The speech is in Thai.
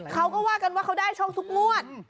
เขาก็ว่ากันว่าเขาได้โชคทุกงวด